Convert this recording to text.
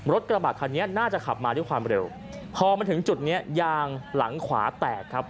รถกระบะคันนี้น่าจะขับมาด้วยความเร็วพอมาถึงจุดเนี้ยยางหลังขวาแตกครับ